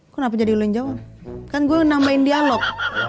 kenapa jadi ulenjau kan gue nambahin dialog